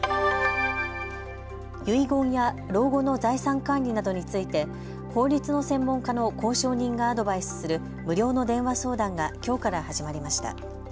遺言や老後の財産管理などについて法律の専門家の公証人がアドバイスする無料の電話相談がきょうから始まりました。